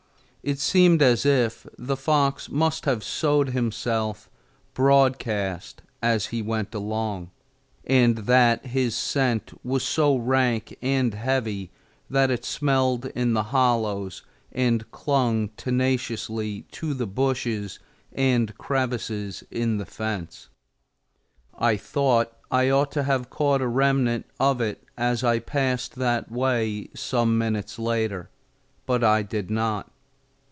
It seemed as if the fox must have sowed himself broadcast as he went along, and that his scent was so rank and heavy that it settled in the hollows and clung tenaciously to the bushes and crevices in the fence. I thought I ought to have caught a remnant of it as I passed that way some minutes later, but I did not.